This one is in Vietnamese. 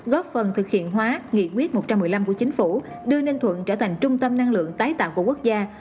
góp phần thực hiện hóa nghị quyết một trăm một mươi năm của chính phủ đưa ninh thuận trở thành trung tâm năng lượng tái tạo của quốc gia